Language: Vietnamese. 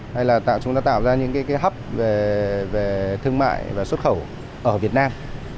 hay là chúng ta tạo ra những hấp về thương mại và xuất khẩu ở việt nam